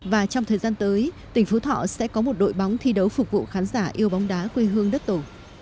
và trong thời gian tới tỉnh phú thọ sẽ có một đội bóng thi đấu phục vụ khán giả yêu bóng đá quê hương đất tổ